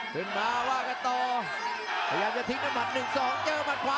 ขึ้นมาว่ากันต่อพยายามจะทิ้งด้วยหมัด๑๒เจอหมัดขวา